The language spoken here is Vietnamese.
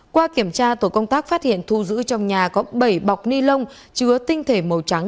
qua kiểm tra tổ công tác phát hiện thu giữ trong nhà có bảy bọc ni lông chứa tinh thể màu trắng